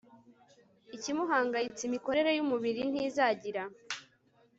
ikimuhangayitse imikorere yumubiri ntizagira